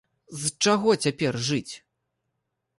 З чаго цяпер жыць?